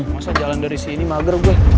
masa jalan dari sini mager gue